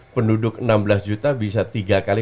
penduduk enam belas juta bisa tiga kali